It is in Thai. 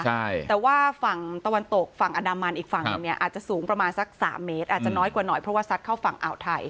ใช่แต่ว่าฝั่งตะวันตกฝั่งอันดามันอีกฝั่งหนึ่งเนี่ยอาจจะสูงประมาณสักสามเมตรอาจจะน้อยกว่าหน่อยเพราะว่าซัดเข้าฝั่งอ่าวไทย